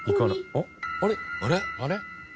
あれ？